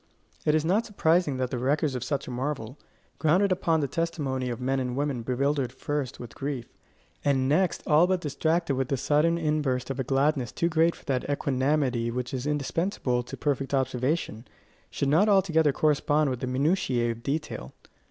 It is not surprising that the records of such a marvel, grounded upon the testimony of men and women bewildered first with grief, and next all but distracted with the sudden inburst of a gladness too great for that equanimity which is indispensable to perfect observation, should not altogether correspond in the minutiae of detail.